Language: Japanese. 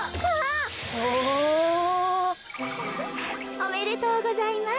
おめでとうございます。